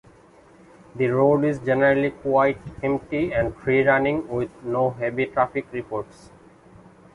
The road is generally quite empty and free running, with no heavy traffic reports.